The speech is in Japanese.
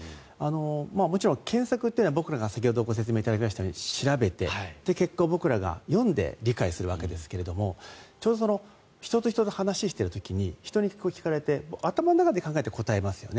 もちろん検索というのはご説明いただきましたように結果を僕らが読んで理解するわけですがちょうど人と人と話をしている時に頭の中で考えて話しますよね。